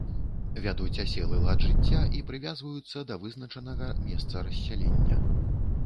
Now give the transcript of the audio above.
Вядуць аселы лад жыцця і прывязваюцца да вызначанага месца рассялення.